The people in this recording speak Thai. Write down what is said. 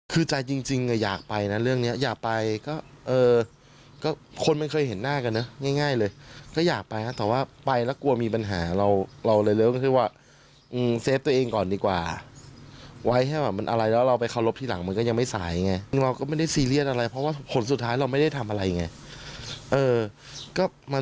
มันเป็นเรื่องที่บอกว่ามันก็ให้ทางมูลเขาแจ้งมาดีกว่า